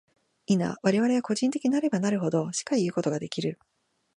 否、我々は個人的なればなるほど、しかいうことができる。